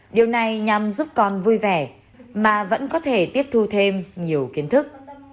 điều này nhằm giúp con vui vẻ mà vẫn có thể tiếp thu thêm nhiều kiến thức